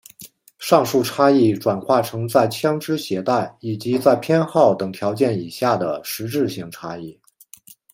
上述差异转化成在枪枝携带以及在偏好等条件以下的实质性差异。